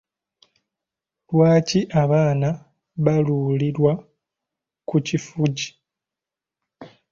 Lwaki abaana baalulirwa ku kifugi?